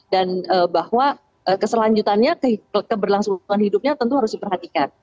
dan bahwa keselanjutannya keberlangsungan hidupnya tentu harus diperhatikan